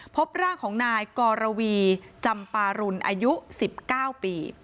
พบร่างของนายกรวีจำปารุณอายุ๑๙ปี